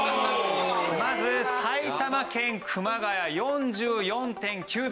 まず埼玉県熊谷４４．９度。